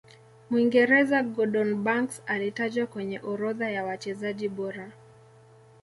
mwingereza gordon Banks alitajwa kwenye orodha ya wachezaji bora